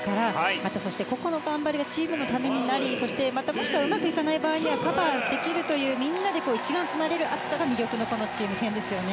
また、個々の頑張りがチームのためになりそしてうまくいかない場合にはカバーできるというみんなで一丸となる熱さが魅力ですね。